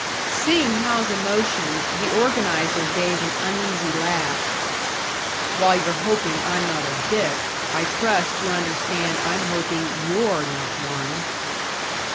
Seeing Hal's emotion, the organiser gave an uneasy laugh. "While you're hoping I'm not a 'dick,' I trust you understand I'm hoping you're not one."